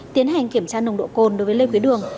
tiến hành kiểm tra nồng độ cồn đối với lê quý đường